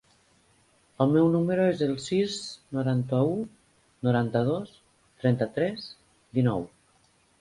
El meu número es el sis, noranta-u, noranta-dos, trenta-tres, dinou.